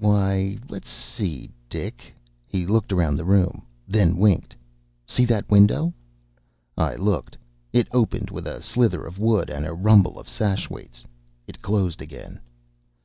Why, let's see, Dick." He looked around the room, then winked. "See that window?" I looked. It opened with a slither of wood and a rumble of sash weights. It closed again.